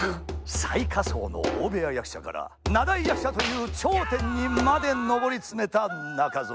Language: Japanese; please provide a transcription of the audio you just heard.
最下層の大部屋役者から名題役者という頂点にまで上り詰めた中蔵。